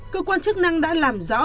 cơ quan chức năng đã làm rõ